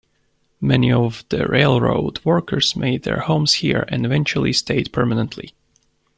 Many of the railroad workers made their homes here and eventually stayed permanently.